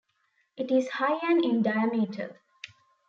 It is high and in diameter.